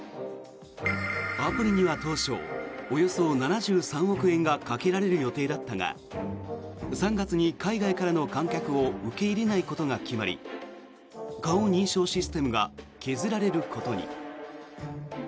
アプリには当初、およそ７３億円がかけられる予定だったが３月に海外からの観客を受け入れないことが決まり顔認証システムが削られることに。